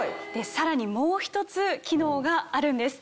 さらにもう一つ機能があるんです。